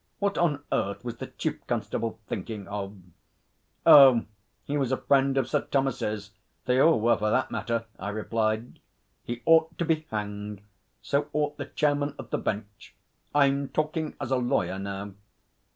What on earth was the Chief Constable thinking of?' 'Oh, he was a friend of Sir Thomas's. They all were for that matter,' I replied. 'He ought to be hanged. So ought the Chairman of the Bench. I'm talking as a lawyer now.'